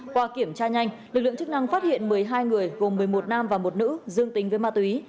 qua kiểm tra nhanh lực lượng chức năng phát hiện một mươi hai người gồm một mươi một nam và một nữ dương tính với ma túy